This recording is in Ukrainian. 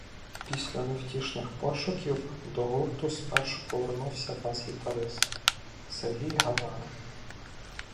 Після невтішних пошуків до гурту спершу повернувся бас-гітарист Сергій Гавара